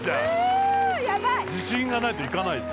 ヤバい自信がないといかないです